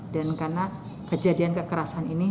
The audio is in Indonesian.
dan karena kejadian kekerasan ini